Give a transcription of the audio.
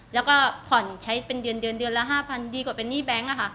แล้วก็ผ่อนใช้เป็นเดือนเดือนละ๕๐๐ดีกว่าเป็นหนี้แบงค์อะค่ะ